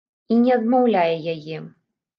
І не адмаўляе яе.